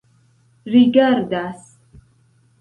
rigardas